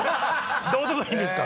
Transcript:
どうでもいいんですか？